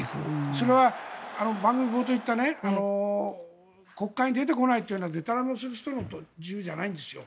それは番組の冒頭で言った国会の出てこないというでたらめなことをする人の自由じゃないんですよ。